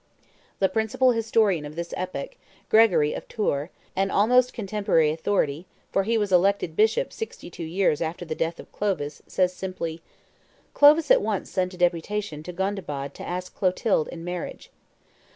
The principal historian of this epoch, Gregory of Tours, an almost contemporary authority, for he was elected bishop sixty two years after the death of Clovis, says simply, "Clovis at once sent a deputation to Gondebaud to ask Clotilde in marriage.